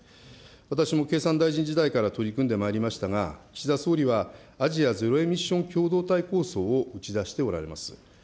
私も経産大臣時代から取り組んでまいりましたが、岸田総理はアジア・ゼロエミッション共同体構想を打ち出しておられます。